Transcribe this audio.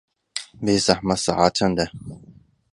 بێزەحمەت سەعات چەندە؟